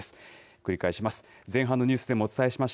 繰り返します。